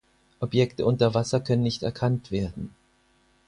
Objekte unter Wasser können nicht erkannt werden.